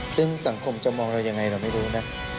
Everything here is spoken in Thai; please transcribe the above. ซึ่งสังคมจะมองเรายังไงเราไม่รู้นะ